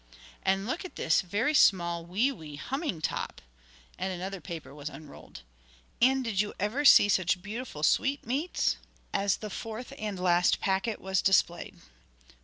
'And look at this very small wee wee humming top!' And another paper was unrolled. 'And did you ever see such beautiful sweetmeats?' as the fourth and last packet was displayed.